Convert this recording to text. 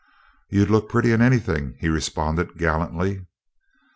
"You'd look pretty in anything," he responded gallantly.